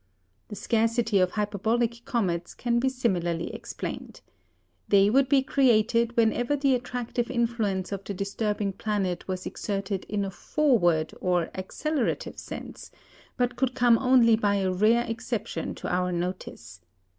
The scarcity of hyperbolic comets can be similarly explained. They would be created whenever the attractive influence of the disturbing planet was exerted in a forward or accelerative sense, but could come only by a rare exception to our notice.